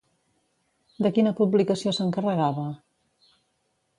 De quina publicació s'encarregava?